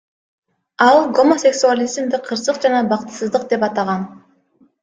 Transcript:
Ал гомосексуализмди кырсык жана бактысыздык деп атаган.